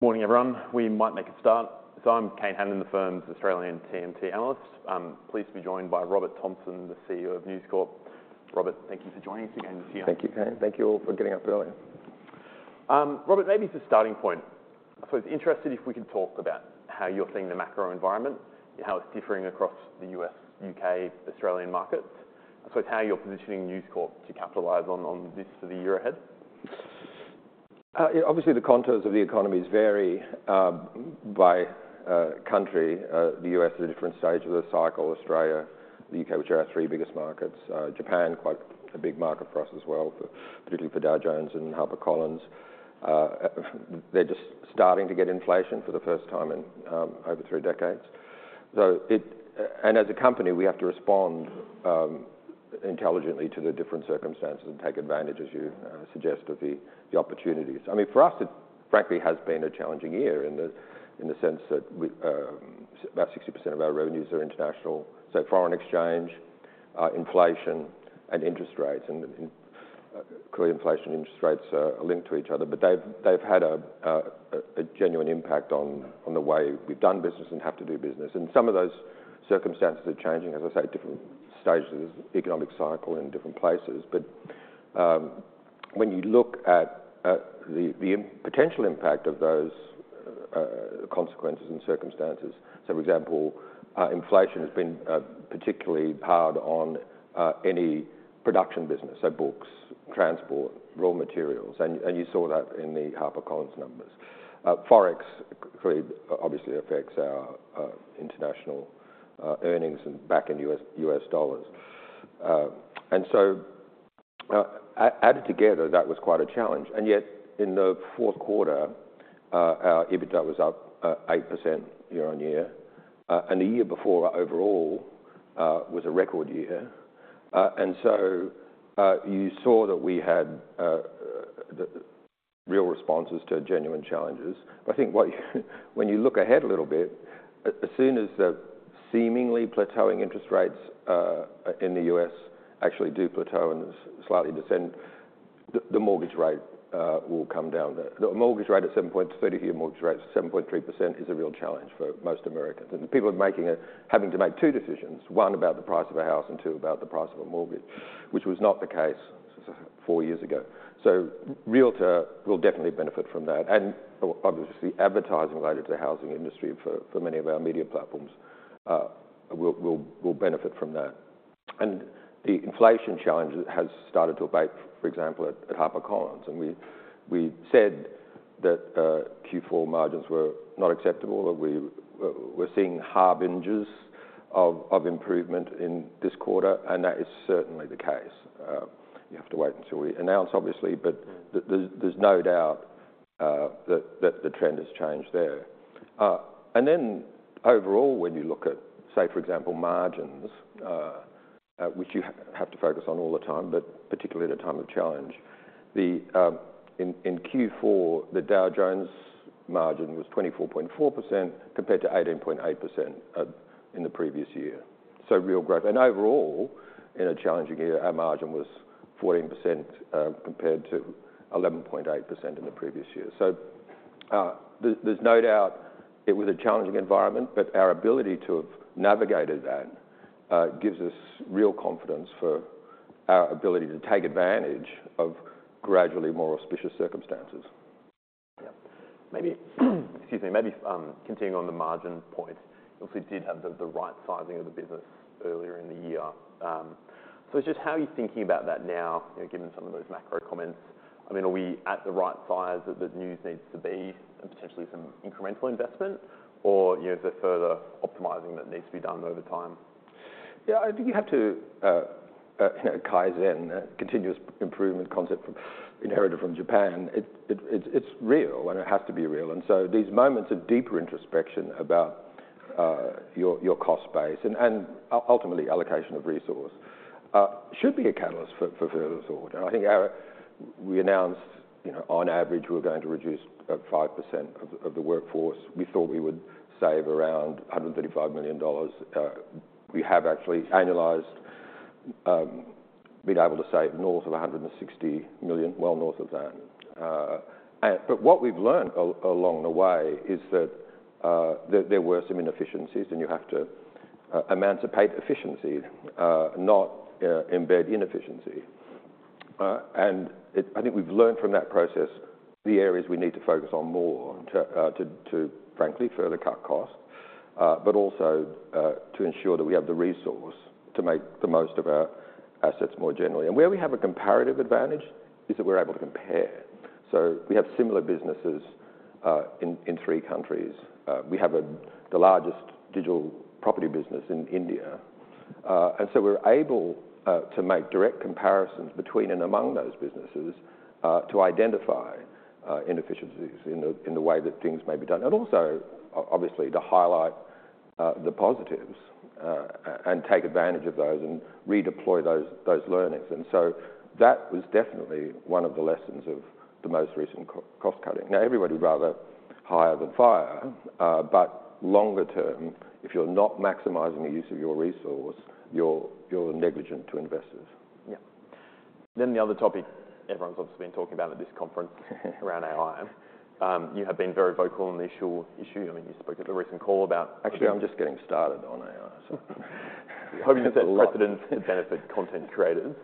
Morning, everyone. We might make a start. I'm Kane Hannan, the firm's Australian TMT analyst. I'm pleased to be joined by Robert Thomson, the CEO of News Corp. Robert, thank you for joining us again this year. Thank you, Kane. Thank you all for getting up early. Robert, maybe as a starting point, I was interested if we could talk about how you're seeing the macro environment and how it's differing across the U.S., U.K., Australian markets. So how you're positioning News Corp to capitalize on this for the year ahead? Yeah, obviously, the contours of the economies vary by country. The U.S. is a different stage of the cycle, Australia, the U.K., which are our three biggest markets. Japan, quite a big market for us as well, but particularly for Dow Jones and HarperCollins. They're just starting to get inflation for the first time in over three decades. And as a company, we have to respond intelligently to the different circumstances and take advantage, as you suggest, of the opportunities. I mean, for us, it frankly has been a challenging year in the sense that we about 60% of our revenues are international. So foreign exchange, inflation and interest rates, and clearly, inflation and interest rates are linked to each other, but they've had a genuine impact on the way we've done business and have to do business. And some of those circumstances are changing, as I say, different stages of economic cycle in different places. But when you look at the potential impact of those consequences and circumstances, so, for example, inflation has been particularly hard on any production business, so books, transport, raw materials, and you saw that in the HarperCollins numbers. Forex clearly, obviously affects our international earnings and back in U.S. dollars. And so added together, that was quite a challenge. And yet in the fourth quarter, our EBITDA was up 8% year-on-year, and the year before overall was a record year. And so, you saw that we had the real responses to genuine challenges. I think, when you look ahead a little bit, as soon as the seemingly plateauing interest rates in the U.S. actually do plateau and slightly descend, the mortgage rate will come down. The 30-year mortgage rate at 7.3% is a real challenge for most Americans. And people are having to make two decisions, one, about the price of a house, and two, about the price of a mortgage, which was not the case four years ago. So Realtor will definitely benefit from that, and obviously, advertising related to the housing industry for many of our media platforms will benefit from that. And the inflation challenge has started to abate, for example, at HarperCollins, and we said that Q4 margins were not acceptable, that we're seeing harbingers of improvement in this quarter, and that is certainly the case. You have to wait until we announce, obviously, but- Mm. There's no doubt that the trend has changed there. And then overall, when you look at, say, for example, margins, which you have to focus on all the time, but particularly at a time of challenge, in Q4, the Dow Jones margin was 24.4%, compared to 18.8% in the previous year. So real growth. And overall, in a challenging year, our margin was 14%, compared to 11.8% in the previous year. So, there's no doubt it was a challenging environment, but our ability to have navigated that gives us real confidence for our ability to take advantage of gradually more auspicious circumstances. Yeah. Maybe, excuse me, continuing on the margin point, you also did have the right sizing of the business earlier in the year. So it's just how are you thinking about that now, you know, given some of those macro comments? I mean, are we at the right size that News needs to be and potentially some incremental investment? Or, you know, is there further optimizing that needs to be done over time? Yeah, I think you have to, kaizen, continuous improvement concept from—inherited from Japan. It, it's real, and it has to be real. And so these moments of deeper introspection about, your cost base and, ultimately allocation of resource, should be a catalyst for, further thought. I think our... We announced, you know, on average, we're going to reduce about 5% of the workforce. We thought we would save around $135 million. We have actually annualized, being able to save north of 160 million, well, north of that. And but what we've learned along the way is that, there were some inefficiencies, and you have to, emancipate efficiency, not, embed inefficiency. I think we've learned from that process the areas we need to focus on more to frankly further cut costs, but also to ensure that we have the resource to make the most of our assets more generally. And where we have a comparative advantage is that we're able to compare. So we have similar businesses in three countries. We have the largest digital property business in India. And so we're able to make direct comparisons between and among those businesses to identify inefficiencies in the way that things may be done, and also, obviously, to highlight the positives and take advantage of those and redeploy those learnings. And so that was definitely one of the lessons of the most recent cost cutting. Now, everybody would rather hire than fire, but longer term, if you're not maximizing the use of your resource, you're negligent to investors. Yeah. Then the other topic everyone's obviously been talking about at this conference around AI. You have been very vocal on the issue. I mean, you spoke at a recent call about- Actually, I'm just getting started on AI, so Hoping to set precedent to benefit content creators.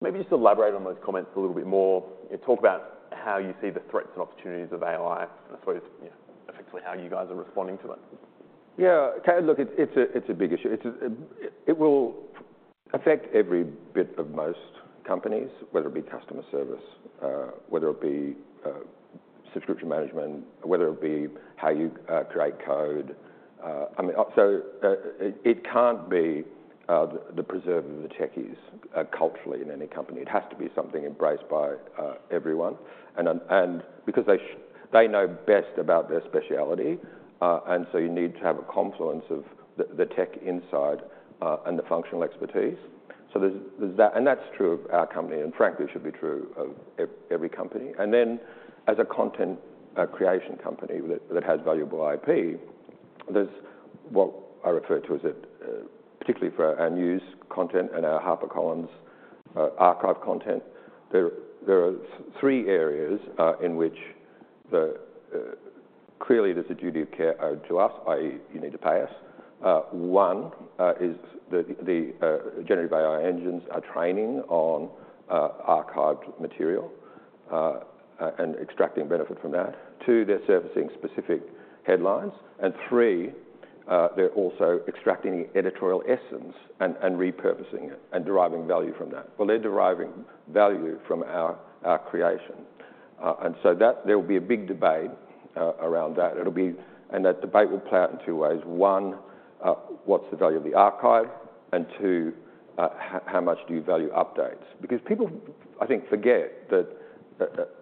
Maybe just elaborate on those comments a little bit more and talk about how you see the threats and opportunities of AI, and I suppose, yeah, effectively, how you guys are responding to it. Yeah. Okay, look, it's a big issue. It's... It will affect every bit of most companies, whether it be customer service, whether it be subscription management, whether it be how you create code. I mean, so it can't be the preserve of the techies, culturally, in any company. It has to be something embraced by everyone and because they know best about their specialty, and so you need to have a confluence of the tech insight and the functional expertise. So there's that, and that's true of our company, and frankly, should be true of every company. And then, as a content creation company that has valuable IP, there's what I refer to as a particularly for our News content and our HarperCollins archive content, there are three areas in which the clearly there's a duty of care owed to us, i.e., you need to pay us. One is the generated by our engines are training on archived material and extracting benefit from that. Two, they're surfacing specific headlines. And three, they're also extracting editorial essence and repurposing it and deriving value from that. Well, they're deriving value from our creation and so that there will be a big debate around that. It'll be, and that debate will play out in two ways: one, what's the value of the archive, and two, how much do you value updates? Because people, I think, forget that,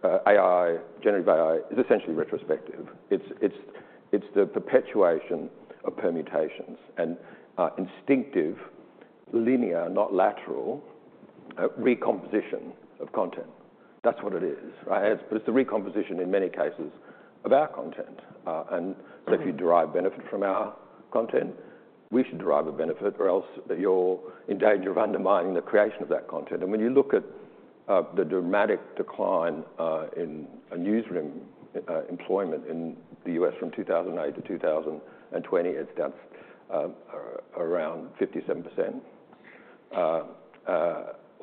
AI generated by AI, is essentially retrospective. It's the perpetuation of permutations and instinctive, linear, not lateral, recomposition of content. That's what it is, right? It's the recomposition, in many cases, of our content. And so if you derive benefit from our content, we should derive a benefit, or else you're in danger of undermining the creation of that content. And when you look at the dramatic decline in a newsroom employment in the U.S. from 2008 to 2020, it's down around 57% or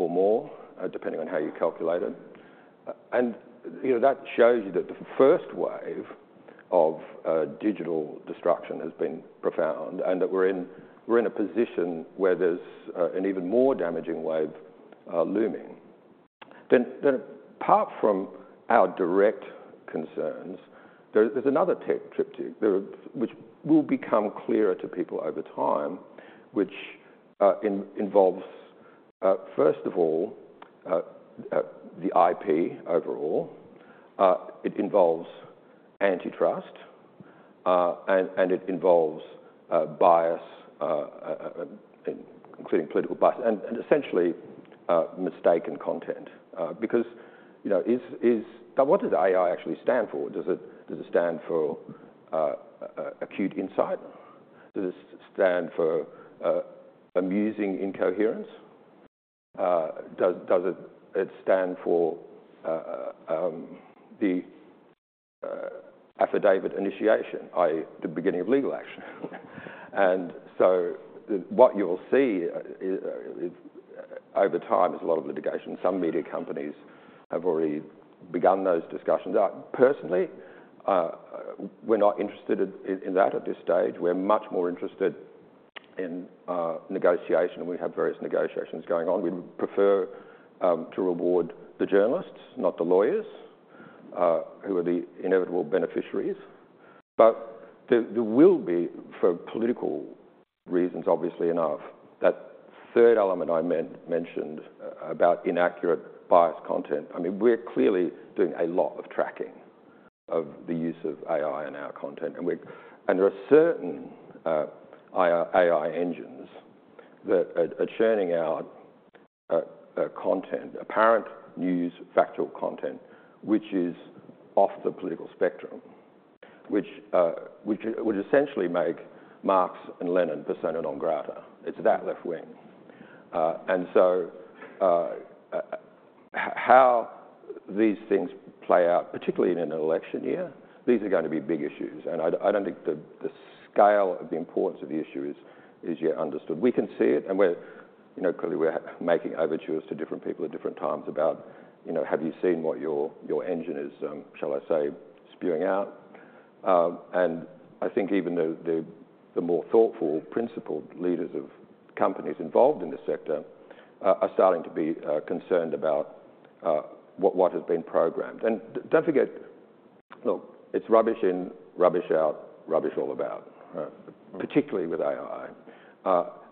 more, depending on how you calculate it. And, you know, that shows you that the first wave of digital destruction has been profound and that we're in a position where there's an even more damaging wave looming. Then apart from our direct concerns, there's another tech triptych, which will become clearer to people over time, which involves first of all the IP overall, it involves antitrust, and it involves bias, including political bias, and essentially mistaken content. Because, you know, is now, what does AI actually stand for? Does it stand for acute insight? Does it stand for amusing incoherence? Does it stand for the affidavit initiation, i.e., the beginning of legal action? So what you will see over time is a lot of litigation. Some media companies have already begun those discussions. Personally, we're not interested in that at this stage. We're much more interested in negotiation. We have various negotiations going on. We'd prefer to reward the journalists, not the lawyers, who are the inevitable beneficiaries. But there will be, for political reasons, obviously enough, that third element I mentioned about inaccurate, biased content. I mean, we're clearly doing a lot of tracking of the use of AI in our content, and we... And there are certain AI engines that are churning out content, apparent news, factual content, which is off the political spectrum, which would essentially make Marx and Lenin persona non grata. It's that left wing. And so, how these things play out, particularly in an election year, these are going to be big issues, and I don't think the scale of the importance of the issue is yet understood. We can see it, and we're, you know, clearly we're making overtures to different people at different times about, you know, "Have you seen what your engine is, shall I say, spewing out?" And I think even the more thoughtful, principled leaders of companies involved in this sector are starting to be concerned about what has been programmed. And don't forget, look, it's rubbish in, rubbish out, rubbish all about, particularly with AI.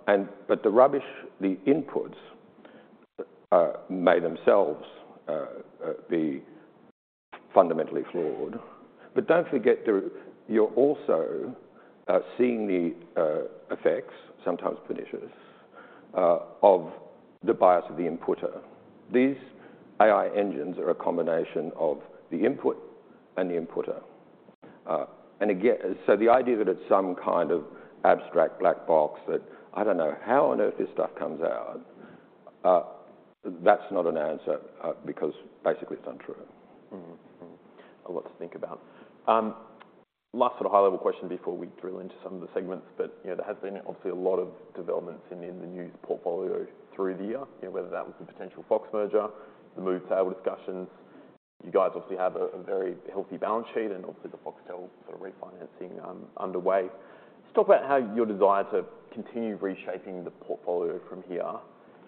And but the rubbish, the inputs, may themselves be fundamentally flawed. But don't forget, you're also seeing the effects, sometimes pernicious, of the bias of the inputter. These AI engines are a combination of the input and the inputter. And again, so the idea that it's some kind of abstract black box that I don't know how on earth this stuff comes out, that's not an answer, because basically it's untrue. Mm-hmm. Mm-hmm. A lot to think about. Last sort of high-level question before we drill into some of the segments. You know, there has been obviously a lot of developments in the, the News portfolio through the year, you know, whether that was the potential Fox merger, the Move sale discussions. You guys obviously have a very healthy balance sheet and obviously the Foxtel sort of refinancing underway. Let's talk about how your desire to continue reshaping the portfolio from here.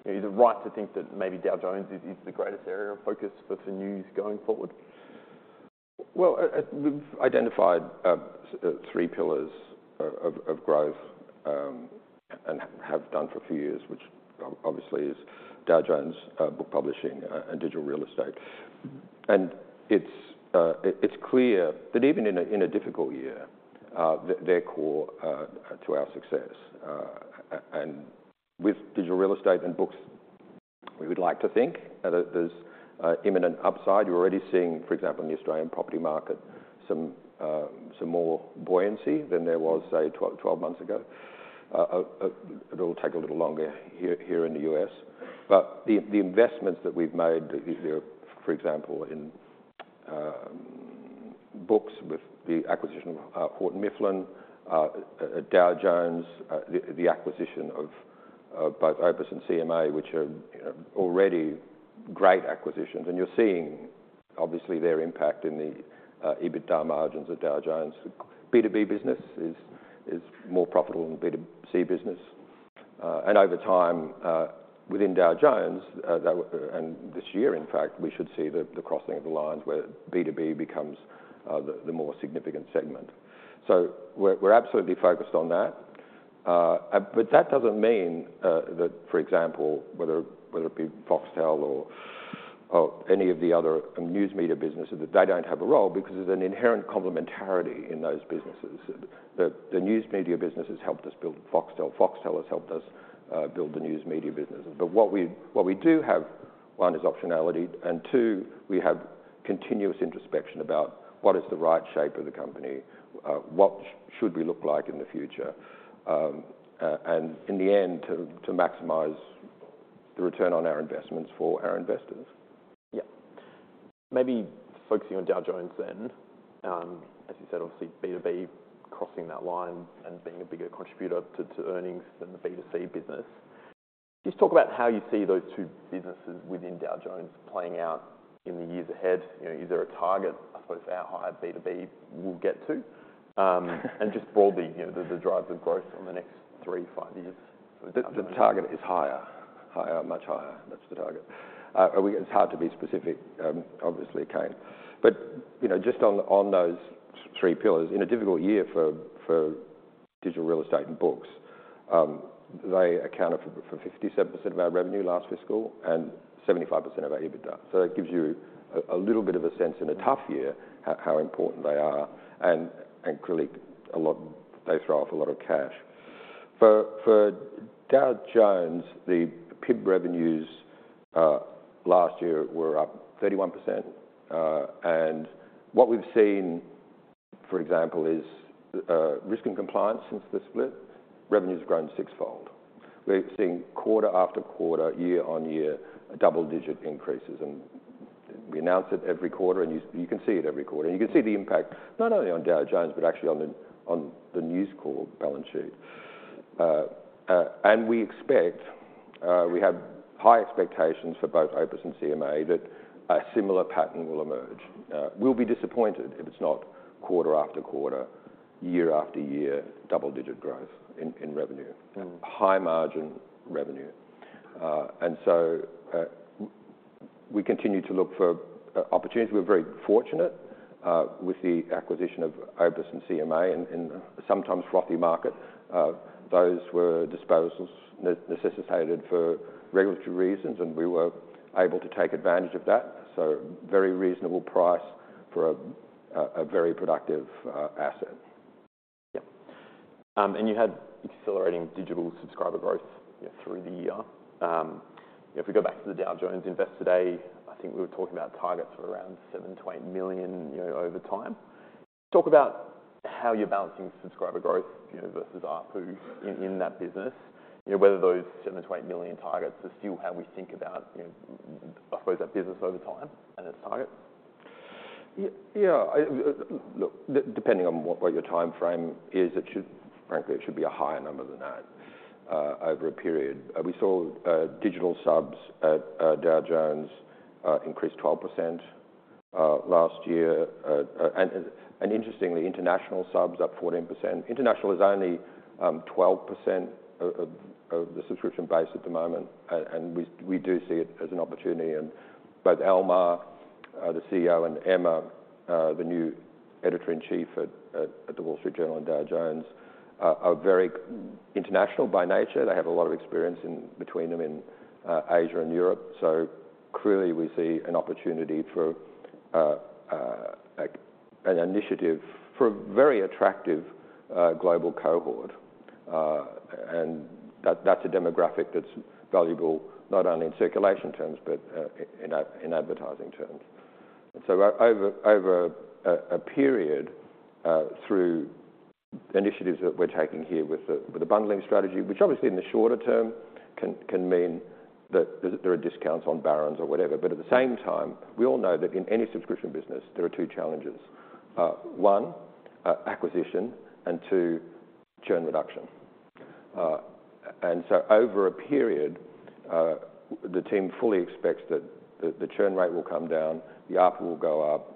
Is it right to think that maybe Dow Jones is, is the greatest area of focus for, for News going forward? Well, we've identified three pillars of growth and have done for a few years, which obviously is Dow Jones, book publishing, and digital real estate. It's clear that even in a difficult year, they're core to our success. With digital real estate and books, we would like to think that there's imminent upside. You're already seeing, for example, in the Australian property market, some more buoyancy than there was, say, 12 months ago. It'll take a little longer here in the U.S. But the investments that we've made, for example, in books with the acquisition of Houghton Mifflin, Dow Jones, the acquisition of both OPIS and CMA, which are, you know, already great acquisitions, and you're seeing, obviously, their impact in the EBITDA margins of Dow Jones. B2B business is more profitable than B2C business. And over time, within Dow Jones, that. And this year, in fact, we should see the crossing of the lines where B2B becomes the more significant segment. So we're absolutely focused on that. But that doesn't mean that, for example, whether it be Foxtel or any of the other News Media businesses, that they don't have a role because there's an inherent complementarity in those businesses. The News Media business has helped us build Foxtel. Foxtel has helped us build the news Media business. But what we do have, one, is optionality, and two, we have continuous introspection about what is the right shape of the company, what should we look like in the future, and in the end, to maximize the return on our investments for our investors. Yeah. Maybe focusing on Dow Jones then, as you said, obviously, B2B crossing that line and being a bigger contributor to, to earnings than the B2C business. Just talk about how you see those two businesses within Dow Jones playing out in the years ahead. You know, is there a target, I suppose, how high B2B will get to? And just broadly, you know, the, the drivers of growth on the next three-five years? The target is higher. Higher, much higher. That's the target. It's hard to be specific, obviously, Kane. But you know, just on those three pillars, in a difficult year for digital real estate and books, they accounted for 57% of our revenue last fiscal and 75% of our EBITDA. So that gives you a little bit of a sense in a tough year, how important they are, and clearly a lot. They throw off a lot of cash. For Dow Jones, the PIB revenues last year were up 31%. And what we've seen, for example, is Risk and Compliance since the split, revenues have grown sixfold. We've seen quarter after quarter, year-on-year, double-digit increases, and we announce it every quarter, and you can see it every quarter. And you can see the impact not only on Dow Jones, but actually on the News Corp balance sheet. And we expect, we have high expectations for both OPIS and CMA that a similar pattern will emerge. We'll be disappointed if it's not quarter after quarter, year-after-year, double-digit growth in revenue- Mm-hmm. High margin revenue. And so, we continue to look for opportunities. We're very fortunate with the acquisition of OPIS and CMA in sometimes frothy markets. Those were disposals necessitated for regulatory reasons, and we were able to take advantage of that. So very reasonable price for a very productive asset. Yeah. And you had accelerating digital subscriber growth, you know, through the year. If we go back to the Dow Jones Investor Day, I think we were talking about targets for around seven-eight million, you know, over time. Talk about how you're balancing subscriber growth, you know, versus ARPU in that business, you know, whether those seven-eight million targets are still how we think about, you know, I suppose, that business over time and its target. Yeah, look, depending on what your time frame is, it should, frankly, be a higher number than that over a period. We saw digital subs at Dow Jones increase 12% last year. And interestingly, international subs up 14%. International is only 12% of the subscription base at the moment, and we do see it as an opportunity. And both Almar, the CEO, and Emma, the new editor-in-chief at The Wall Street Journal and Dow Jones, are very international by nature. They have a lot of experience in between them in Asia and Europe. So clearly, we see an opportunity for an initiative for a very attractive global cohort. And that's a demographic that's valuable, not only in circulation terms, but in advertising terms. And so over a period, through initiatives that we're taking here with the bundling strategy, which obviously in the shorter term can mean that there are discounts on Barron's or whatever, but at the same time, we all know that in any subscription business, there are two challenges: one, acquisition, and two, churn reduction. And so over a period, the team fully expects that the churn rate will come down, the ARPU will go up,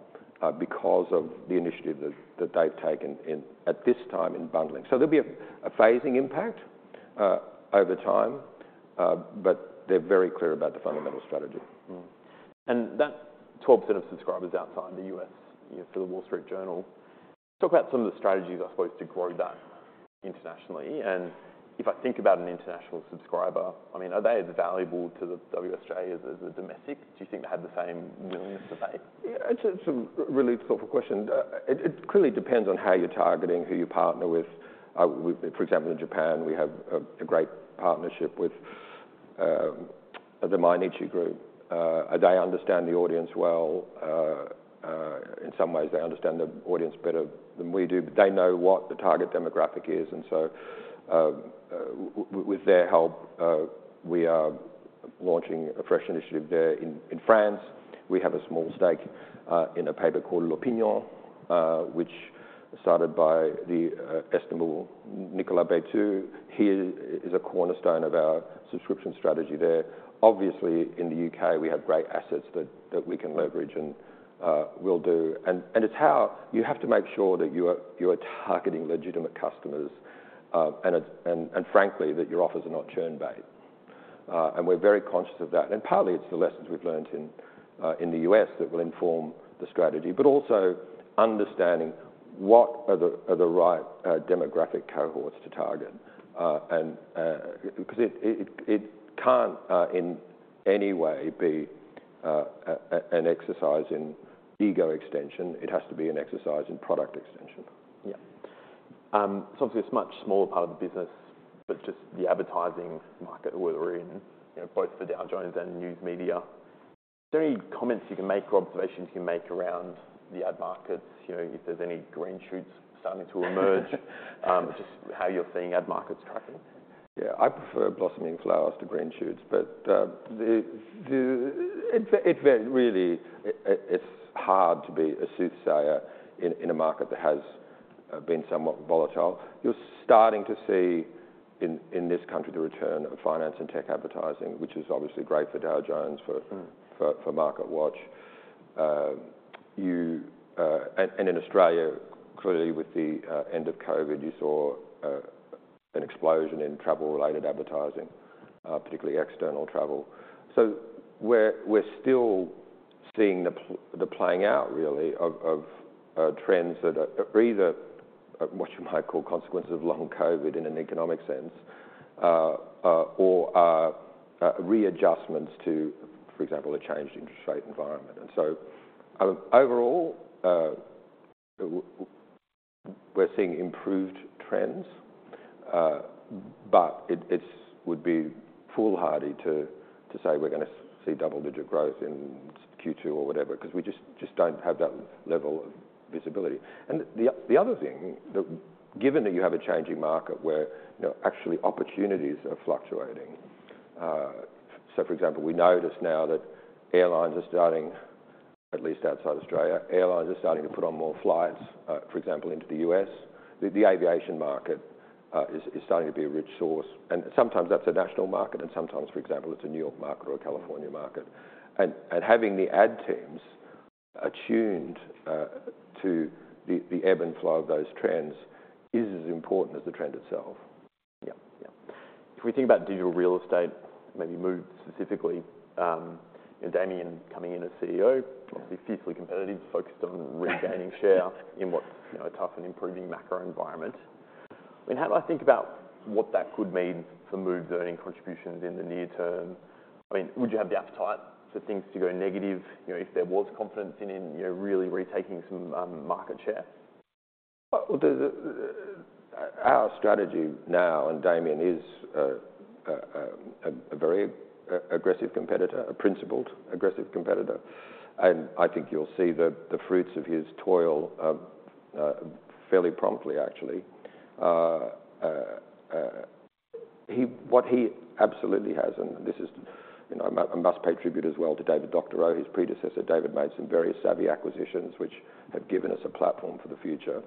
because of the initiative that they've taken at this time in bundling. So there'll be a phasing impact over time, but they're very clear about the fundamental strategy. Mm-hmm. And that 12% of subscribers outside the U.S., you know, for The Wall Street Journal, talk about some of the strategies, I suppose, to grow that internationally. And if I think about an international subscriber, I mean, are they as valuable to the WSJ as, as a domestic? Do you think they have the same willingness to pay? Yeah, it's a really thoughtful question. It clearly depends on how you're targeting, who you partner with. For example, in Japan, we have a great partnership with the Mainichi Group. They understand the audience well. In some ways, they understand the audience better than we do. They know what the target demographic is, and so, with their help, we are launching a fresh initiative there. In France, we have a small stake in a paper called L'Opinion, which was started by the estimable Nicolas Beytout. He is a cornerstone of our subscription strategy there. Obviously, in the U.K., we have great assets that we can leverage and will do. You have to make sure that you are targeting legitimate customers, and it's, frankly, that your offers are not churn bait. We're very conscious of that. Partly, it's the lessons we've learned in the U.S. that will inform the strategy, but also understanding what are the right demographic cohorts to target. Because it can't, in any way, be an exercise in ego extension. It has to be an exercise in product extension. Yeah. So obviously, it's a much smaller part of the business, but just the advertising market that we're in, you know, both for Dow Jones and News Media, is there any comments you can make or observations you can make around the ad markets? You know, if there's any green shoots starting to emerge, just how you're seeing ad markets tracking? Yeah, I prefer blossoming flowers to green shoots, but it really is hard to be a soothsayer in a market that has been somewhat volatile. You're starting to see in this country, the return of finance and tech advertising, which is obviously great for Dow Jones, for- Mm... for MarketWatch. And in Australia, clearly, with the end of COVID, you saw an explosion in travel-related advertising, particularly external travel. So we're still seeing the playing out really of trends that are either what you might call consequences of long COVID in an economic sense or readjustments to, for example, a changed interest rate environment. And so overall, we're seeing improved trends, but it would be foolhardy to say we're gonna see double-digit growth in Q2 or whatever, 'cause we just don't have that level of visibility. And the other thing that, given that you have a changing market where, you know, actually opportunities are fluctuating... So for example, we notice now that airlines are starting, at least outside Australia, airlines are starting to put on more flights, for example, into the U.S. The aviation market is starting to be a rich source, and sometimes that's a national market, and sometimes, for example, it's a New York market or a California market. And having the ad teams attuned to the ebb and flow of those trends is as important as the trend itself. Yeah. Yeah. If we think about digital real estate, maybe Move specifically, and Damian coming in as CEO, obviously fiercely competitive, focused on regaining share in what's, you know, a tough and improving macro environment. I mean, how do I think about what that could mean for Move's earnings contributions in the near term? I mean, would you have the appetite for things to go negative, you know, if there was confidence in, in, you know, really retaking some market share? Well, our strategy now, and Damian is a very aggressive competitor, a principled, aggressive competitor, and I think you'll see the fruits of his toil fairly promptly, actually. What he absolutely has, and this is, you know, I must pay tribute as well to David Doctorow, his predecessor. David made some very savvy acquisitions, which have given us a platform for the future.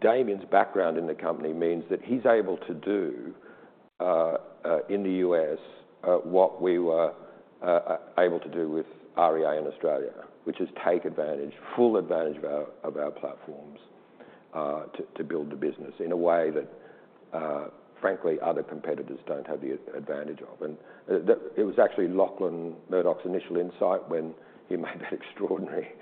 Damian's background in the company means that he's able to do in the U.S. what we were able to do with REA in Australia, which is take advantage, full advantage of our platforms to build the business in a way that, frankly, other competitors don't have the advantage of. And the... It was actually Lachlan Murdoch's initial insight when he made that extraordinary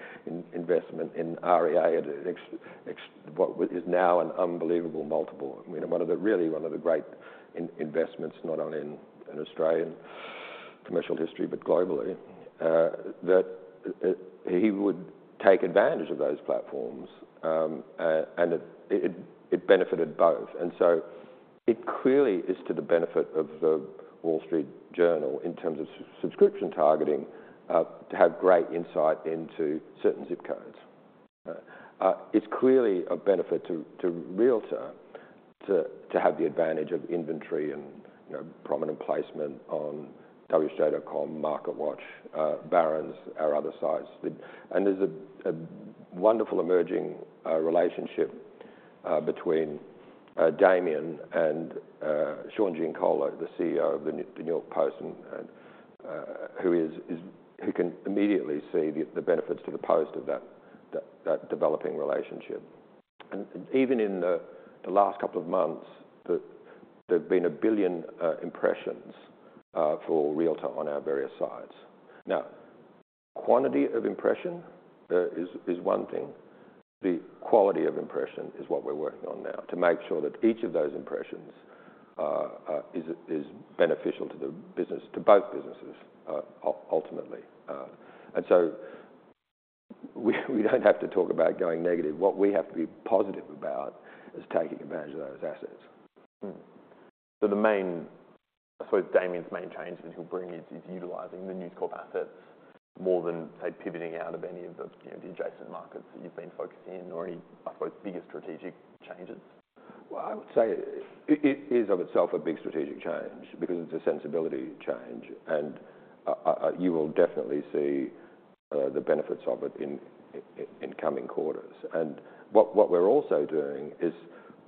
investment in REA at what is now an unbelievable multiple. I mean, one of the really, one of the great investments, not only in Australia commercial history, but globally, that he would take advantage of those platforms. I mean, it benefited both. It clearly is to the benefit of The Wall Street Journal in terms of subscription targeting to have great insight into certain zip codes. It's clearly a benefit to Realtor to have the advantage of inventory and, you know, prominent placement on WSJ.com, MarketWatch, Barron's, our other sites. There's a wonderful emerging relationship between Damian and Sean Giancola, the CEO of the New York Post, and who can immediately see the benefits to the Post of that developing relationship. And even in the last couple of months, there have been one billion impressions for Realtor on our various sites. Now, quantity of impression is one thing, the quality of impression is what we're working on now, to make sure that each of those impressions is beneficial to the business, to both businesses, ultimately. And so we don't have to talk about going negative. What we have to be positive about is taking advantage of those assets. So the main, I suppose, Damian's main change that he'll bring is utilizing the News Corp assets more than, say, pivoting out of any of the, you know, the adjacent markets that you've been focusing in, or any, I suppose, bigger strategic changes? Well, I would say it is of itself a big strategic change because it's a sensibility change, and you will definitely see the benefits of it in coming quarters. And what we're also doing is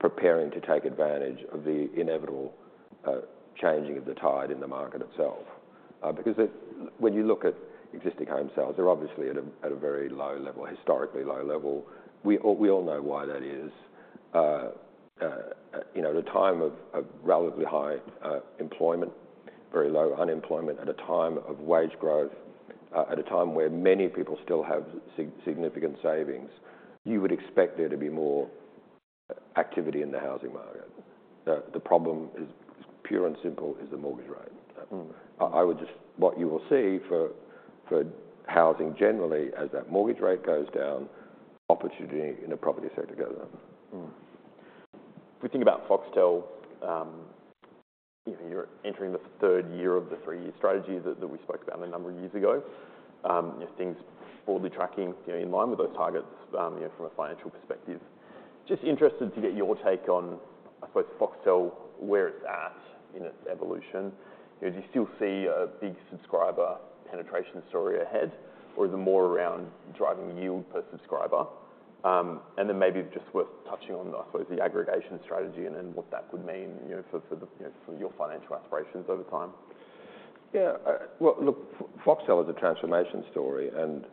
preparing to take advantage of the inevitable changing of the tide in the market itself. Because when you look at existing home sales, they're obviously at a very low level, historically low level. We all know why that is. You know, at a time of relatively high employment, very low unemployment, at a time of wage growth, at a time where many people still have significant savings, you would expect there to be more activity in the housing market. The problem is pure and simple, is the mortgage rate. Mm. I would just... What you will see for housing generally, as that mortgage rate goes down, opportunity in the property sector goes up. If we think about Foxtel, you know, you're entering the third year of the three-year strategy that, that we spoke about a number of years ago. Are things broadly tracking, you know, in line with those targets, you know, from a financial perspective? Just interested to get your take on, I suppose, Foxtel, where it's at in its evolution. You know, do you still see a big subscriber penetration story ahead, or is it more around driving yield per subscriber? And then maybe just worth touching on, I suppose, the aggregation strategy and then what that would mean, you know, for, for the, you know, for your financial aspirations over time. Yeah, well, look, Foxtel is a transformation story, and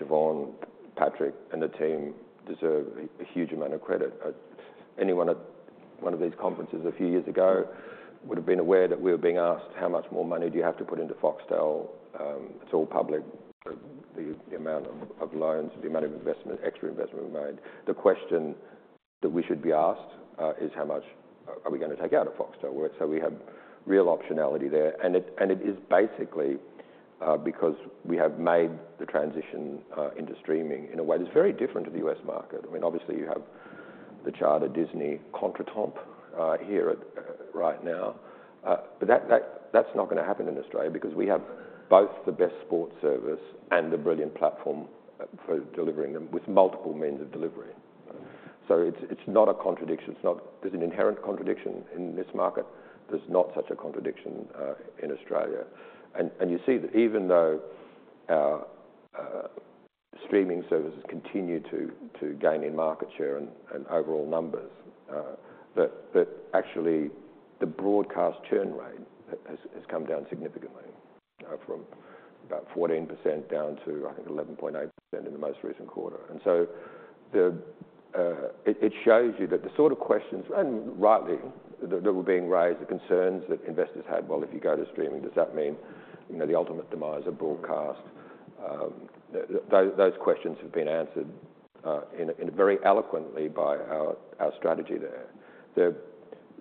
Siobhan, Patrick, and the team deserve a huge amount of credit. Anyone at one of these conferences a few years ago would have been aware that we were being asked: How much more money do you have to put into Foxtel? It's all public, the amount of loans, the amount of investment, extra investment we made. The question that we should be asked is how much are we gonna take out of Foxtel? So we have real optionality there, and it is basically because we have made the transition into streaming in a way that's very different to the U.S. market. I mean, obviously, you have the Charter, Disney contretemps here right now. But that, that's not gonna happen in Australia because we have both the best sports service and the brilliant platform for delivering them with multiple means of delivery. So it's not a contradiction. It's not... There's an inherent contradiction in this market. There's not such a contradiction in Australia. And you see that even though our streaming services continue to gain in market share and overall numbers, that actually the broadcast churn rate has come down significantly from about 14% down to, I think, 11.8% in the most recent quarter. And so it shows you that the sort of questions, and rightly, that were being raised, the concerns that investors had, "Well, if you go to streaming, does that mean, you know, the ultimate demise of broadcast?" Those questions have been answered in a very eloquently by our strategy there.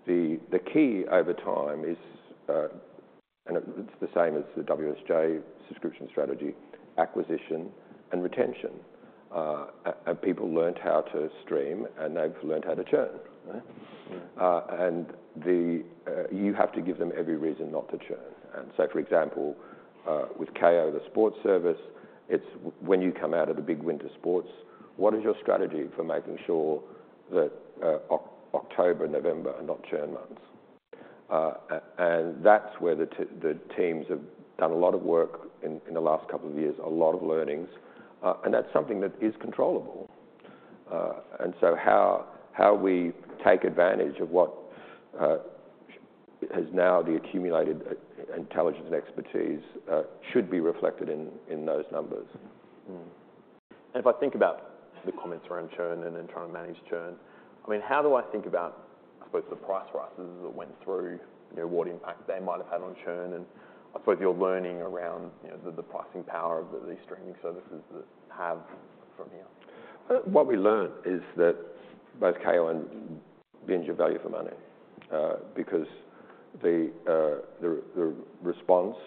The key over time is, and it's the same as the WSJ subscription strategy, acquisition and retention. And people learnt how to stream, and they've learnt how to churn, right? Mm. You have to give them every reason not to churn. For example, with Kayo, the sports service, when you come out of the big winter sports, what is your strategy for making sure that October and November are not churn months? That's where the teams have done a lot of work in the last couple of years, a lot of learnings, and that's something that is controllable. How we take advantage of what has now the accumulated intelligence and expertise should be reflected in those numbers. Mm. And if I think about the comments around churn and then trying to manage churn, I mean, how do I think about, I suppose, the price rises that went through, what impact they might have had on churn? And I suppose you're learning around, you know, the pricing power of these streaming services that have from here. What we learned is that both Kayo and Binge are value for money, because the response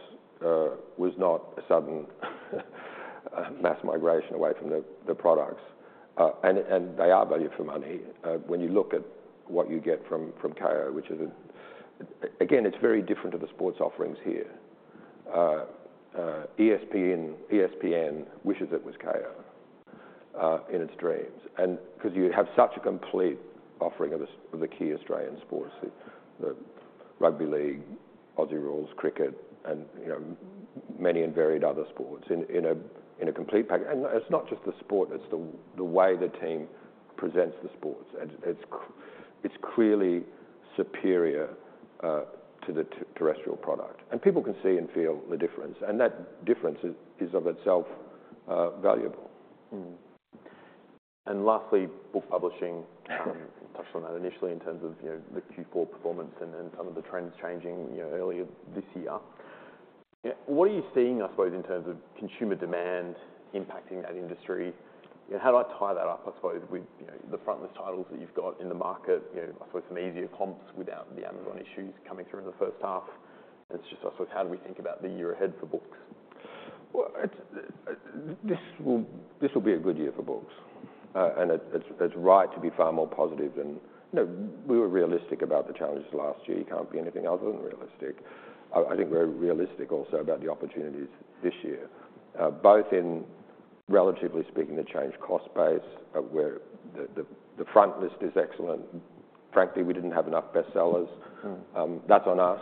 was not a sudden mass migration away from the products. And they are value for money. When you look at what you get from Kayo, which is again, it's very different to the sports offerings here. ESPN wishes it was Kayo in its dreams, and 'cause you have such a complete offering of the key Australian sports, the rugby league, Aussie Rules, cricket, and, you know, many and varied other sports in a complete package. And it's not just the sport, it's the way the team presents the sports, and it's clearly superior to the terrestrial product. People can see and feel the difference, and that difference is of itself valuable. Mm-hmm. And lastly, book publishing. You touched on that initially in terms of, you know, the Q4 performance and then some of the trends changing, you know, earlier this year. What are you seeing, I suppose, in terms of consumer demand impacting that industry? And how do I tie that up, I suppose, with, you know, the frontlist titles that you've got in the market? You know, I suppose some easier comps without the Amazon issues coming through in the first half. It's just, I suppose, how do we think about the year ahead for books? Well, this will be a good year for books. And it's right to be far more positive than... You know, we were realistic about the challenges last year. You can't be anything other than realistic. I think we're realistic also about the opportunities this year, both in, relatively speaking, the change cost base, where the front list is excellent. Frankly, we didn't have enough bestsellers. Mm. That's on us.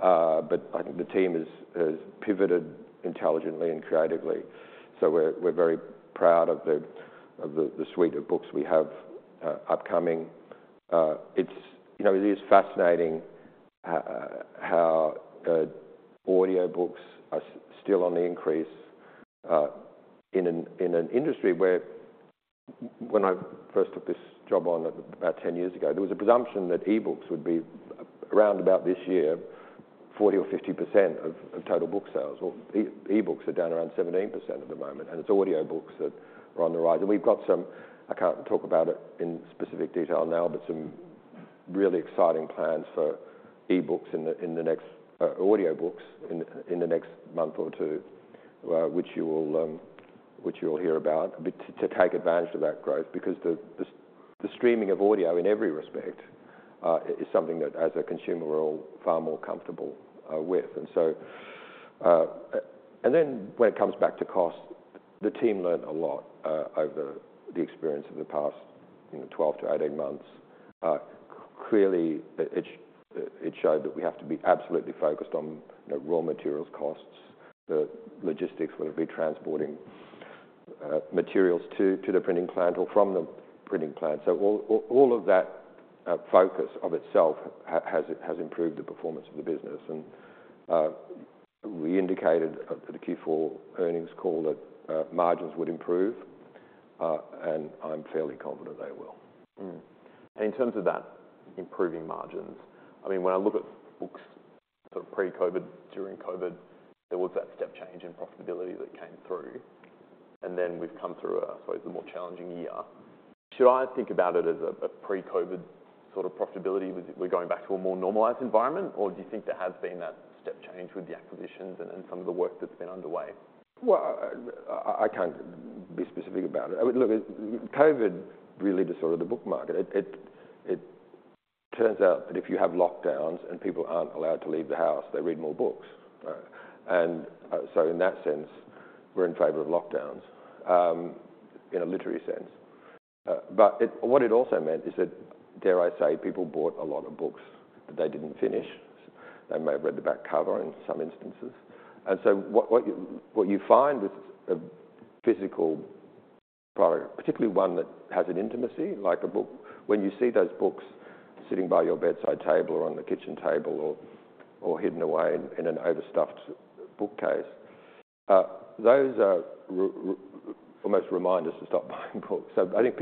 But I think the team has pivoted intelligently and creatively. So we're very proud of the suite of books we have upcoming. It's, you know, it is fascinating how audiobooks are still on the increase in an industry where when I first took this job on about 10 years ago, there was a presumption that e-books would be, around about this year, 40% or 50% of total book sales. Well, e-books are down around 17% at the moment, and it's audiobooks that are on the rise. We've got some, I can't talk about it in specific detail now, but some really exciting plans for e-books in the next, audiobooks in the next month or two, which you'll hear about, to take advantage of that growth. Because the streaming of audio in every respect is something that as a consumer, we're all far more comfortable with. Then when it comes back to cost, the team learned a lot over the experience of the past 12-18 months. Clearly, it showed that we have to be absolutely focused on, you know, raw materials costs, the logistics, whether it be transporting materials to the printing plant or from the printing plant. So all of that focus of itself has improved the performance of the business. We indicated at the Q4 earnings call that margins would improve, and I'm fairly confident they will. In terms of that improving margins, I mean, when I look at books sort of pre-COVID, during COVID, there was that step change in profitability that came through, and then we've come through, I suppose, a more challenging year. Should I think about it as a pre-COVID sort of profitability, with we're going back to a more normalized environment? Or do you think there has been that step change with the acquisitions and then some of the work that's been underway? Well, I can't be specific about it. I mean, look, COVID really disordered the book market. It turns out that if you have lockdowns and people aren't allowed to leave the house, they read more books. And so in that sense, we're in favor of lockdowns, in a literary sense. But what it also meant is that, dare I say, people bought a lot of books that they didn't finish. They may have read the back cover in some instances. And so what you find with a physical product, particularly one that has an intimacy, like a book, when you see those books sitting by your bedside table or on the kitchen table, or hidden away in an overstuffed bookcase, those almost remind us to stop buying books. So I think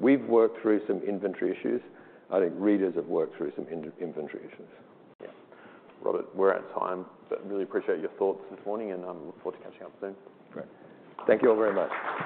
we've worked through some inventory issues. I think readers have worked through some inventory issues. Yeah. Robert, we're out of time, but really appreciate your thoughts this morning, and I look forward to catching up soon. Great. Thank you all very much.